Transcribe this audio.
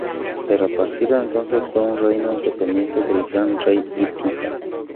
Pero a partir de entonces fue un reino dependiente del gran rey hitita.